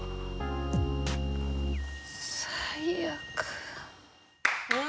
最悪。